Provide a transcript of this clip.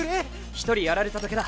１人やられただけだ。